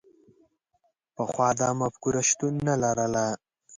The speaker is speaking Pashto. پخوا دا مفکوره شتون نه لرله.